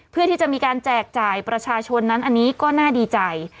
เพื่อที่จะมีการแจกจ่ายประชาชนนั้นอันนี้ก็น่าดีใจ